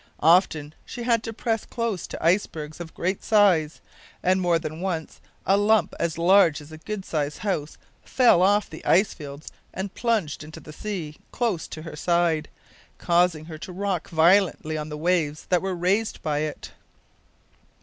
Often she had to press close to ice bergs of great size, and more than once a lump as large as a good sized house fell off the ice fields and plunged into the sea close to her side, causing her to rock violently on the waves that were raised by it.